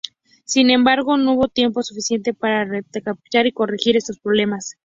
Sin embargo, no hubo tiempo suficiente para recapacitar y corregir estos problemas.